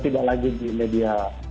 tidak lagi di media